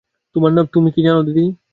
তোমার দাম তুমি কী জান দিদি!